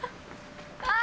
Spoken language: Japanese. あ！